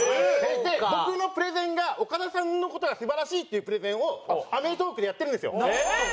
僕のプレゼンが岡田さんの事が素晴らしいっていうプレゼンを『アメトーーク』でやってるんですよ。